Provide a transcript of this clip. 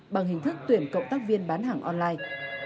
bằng hình thức tuyển cộng tác viên bán hàng online